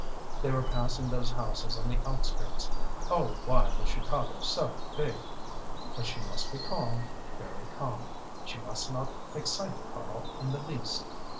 They were passing those houses on the outskirts. Oh why was Chicago so big! But she must be calm very calm; she must not excite Karl in the least.